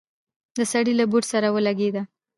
د سړي له بوټ سره ولګېده.